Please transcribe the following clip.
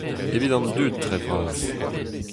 Evit an dud dre-vras.